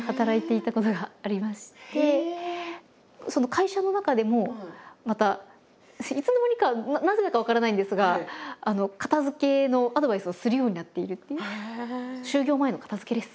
会社の中でもまたいつの間にかなぜだか分からないんですが片づけのアドバイスをするようになっているっていう。